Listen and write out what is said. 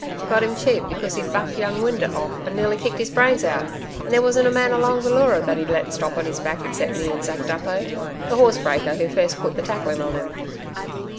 Got 'im cheap because he'd bucked young Windeatt off and nearly kicked his brains out, and there wasn't a man along the Leura that he'd let stop on his back except me and Zack Duppo the horse breaker who first put the tackling on 'im.'